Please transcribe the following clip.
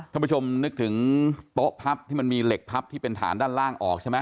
ท่านผู้ชมนึกถึงโต๊ะพับที่มันมีเหล็กพับที่เป็นฐานด้านล่างออกใช่ไหม